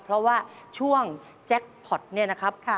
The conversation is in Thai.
เพราะว่าช่วงแจ็คพอร์ตเนี่ยนะครับ